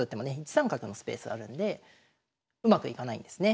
１三角のスペースあるんでうまくいかないんですね。